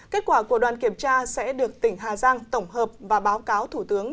kết quả của đoàn kiểm tra sẽ được tỉnh hà giang tổng hợp và báo cáo thủ tướng